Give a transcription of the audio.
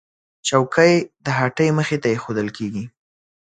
چوکۍ د هټۍ مخې ته ایښودل کېږي.